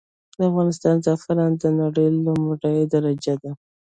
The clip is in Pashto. د افغانستان زعفران د نړې لمړی درجه دي.